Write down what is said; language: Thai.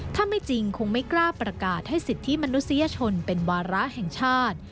ถ้าไม่จริงคงไม่กล้าประกาศให้สิทธิมนุษยชนเป็นวาระแห่งชาติ